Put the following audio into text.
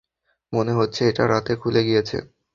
মনে হচ্ছে এটা রাতে খুলে গিয়েছে।